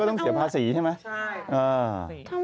แล้วก็ต้องเสียภาษีใช่ไหม